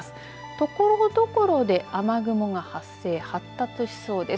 ところどころで雨雲が発生発達しそうです。